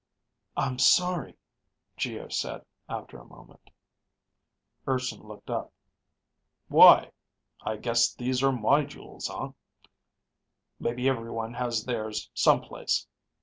"I'm sorry," Geo said after a moment. Urson looked up. "Why? I guess these are my jewels, huh? Maybe everyone has theirs some place.